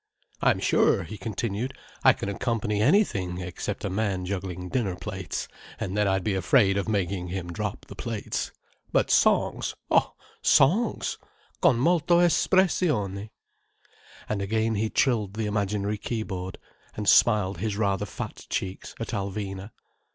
"I'm sure," he continued, "I can accompany anything except a man juggling dinner plates—and then I'd be afraid of making him drop the plates. But songs—oh, songs! Con molto espressione!" And again he trilled the imaginary keyboard, and smiled his rather fat cheeks at Alvina.